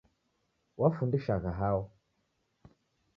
Wafundishagha hao?